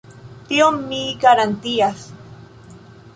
Tion mi garantias.